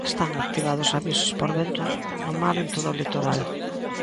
Están activados avisos por vento no mar en todo o litoral.